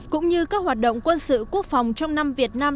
cũng như các hoạt động quân sự quốc phòng trong năm việt nam